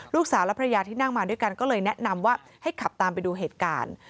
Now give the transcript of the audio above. ลูกสาวและภรรยาที่นั่งมาด้วยกันก็เลยแนะนำว่าให้ขับตามไปดูเหตุการณ์